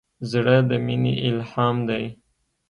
زړه د مینې الهام دی.